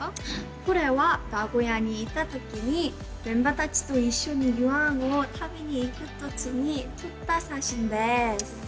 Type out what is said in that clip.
これは、名古屋に行ったときに、メンバーたちと一緒にごはんを食べに行くときに撮った写真です。